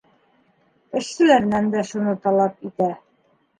Эшселәренән дә шуны талап итә.